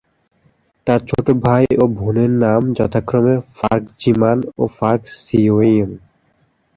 তার ছোট ভাই ও বোনের নাম যথাক্রমে পার্ক জি মান এবং পার্ক সিওইয়ং।